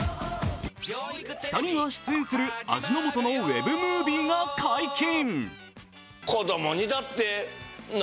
２人が出演する、味の素のＷｅｂムービーが解禁。